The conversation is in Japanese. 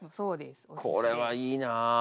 これはいいなあ。